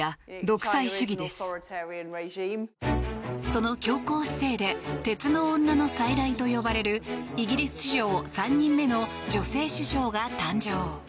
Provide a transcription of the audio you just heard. その強硬姿勢で鉄の女の再来と呼ばれるイギリス史上３人目の女性首相が誕生。